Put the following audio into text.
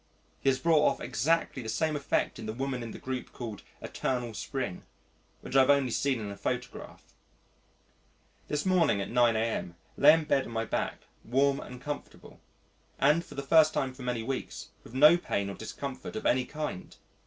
He has brought off exactly the same effect in the woman in the group called "Eternal Spring," which I have only seen in a photograph. This morning at 9 a.m. lay in bed on my back, warm and comfortable, and, for the first time for many weeks, with no pain or discomfort of any kind.